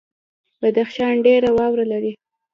بدخشان ډیره واوره لري